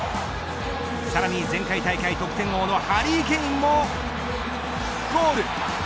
さらに前回大会得点王のハリー・ケインもゴール。